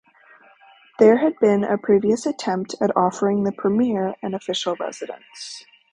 There had been a previous attempt at offering the premier an official residence.